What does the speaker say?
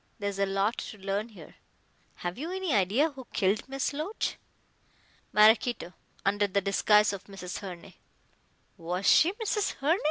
There's a lot to learn here." "Have you any idea who killed Miss Loach?" "Maraquito, under the disguise of Mrs. Herne." "Was she Mrs. Herne?"